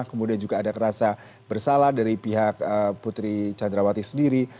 kemudian juga ada kerasa bersalah dari pihak putri candrawati sendiri